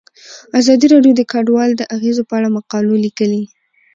ازادي راډیو د کډوال د اغیزو په اړه مقالو لیکلي.